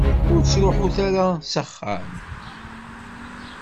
Ur ttruḥut ara s axxam.